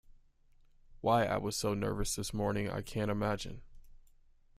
Why I was so nervous this morning I can't imagine.